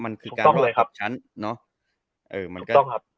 มันคือการขับชั้นเนอะ